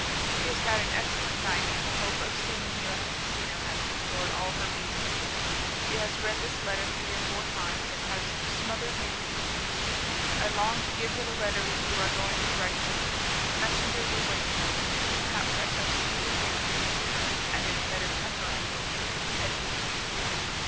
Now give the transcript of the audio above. She has had an excellent night, and the hope of seeing you at the casino has restored all her beauty. She has read this letter three or four times, and has smothered me with kisses. I long to give her the letter which you are going to write to her. The messenger will wait for it. Perhaps I shall see you again at the casino, and in a better temper, I hope. Adieu."